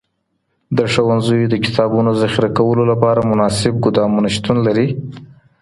د ښوونځیو د کتابونو ذخیره کولو لپاره مناسب ګودامونه شتون لري؟